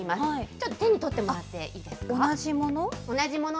ちょっと手に取ってもらっていい同じもの？